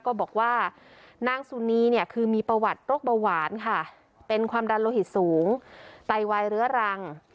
บอกว่านางสุนีเนี่ยคือมีประวัติโรคเบาหวานค่ะเป็นความดันโลหิตสูงไตวายเรื้อรัง